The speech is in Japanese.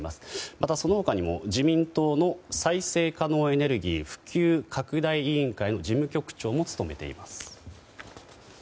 また、その他にも自民党の再生エネルギー普及拡大委員会の事務局長も務めています。